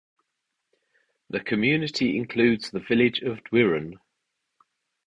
The community includes the village of Dwyran.